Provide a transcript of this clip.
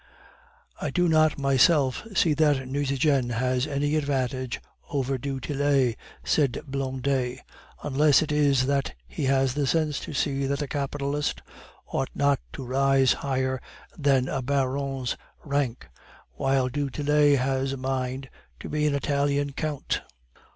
"I do not myself see that Nucingen has any advantage over du Tillet," said Blondet, "unless it is that he has the sense to see that a capitalist ought not to rise higher than a baron's rank, while du Tillet has a mind to be an Italian count."